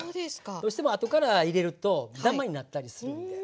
どうしても後から入れるとダマになったりするんで。